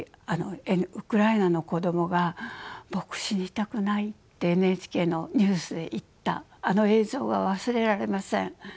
ウクライナの子どもが「僕死にたくない」ってＮＨＫのニュースで言ったあの映像が忘れられません。